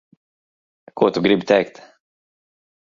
Ko tu gribi teikt?